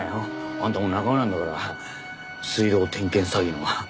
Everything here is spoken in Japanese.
あんたも仲間なんだから水道点検詐欺の。